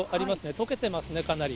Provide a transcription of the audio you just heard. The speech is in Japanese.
とけてますね、かなり。